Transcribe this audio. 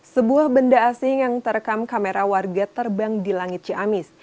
sebuah benda asing yang terekam kamera warga terbang di langit ciamis